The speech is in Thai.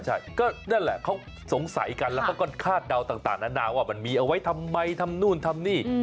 ใช่ก็นั่นแหละเขาสงสัยกันแล้วเขาก็คาดเดาต่างนานาว่ามันมีเอาไว้ทำไมทำนู่นทำนี่